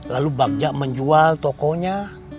dan bagja jual toko iya